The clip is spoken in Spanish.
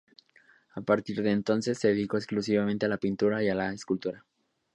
A partir de entonces, se dedicó exclusivamente a la pintura y la escultura.